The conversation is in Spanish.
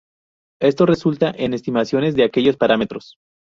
Esto resulta en estimaciones de aquellos parámetros.